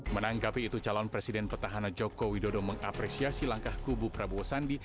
menanggapi itu calon presiden petahana joko widodo mengapresiasi langkah kubu prabowo sandi